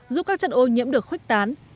giúp các chất ô nhiễm được khuếch tán